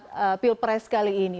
pada saat pilpres kali ini